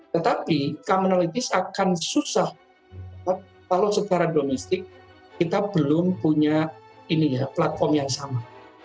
tetapi comminalities akan susah kalau secara domestik kita belum punya platform yang sama